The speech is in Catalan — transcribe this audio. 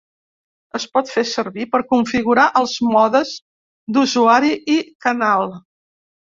Es pot fer servir per configurar els modes d'usuari i canal.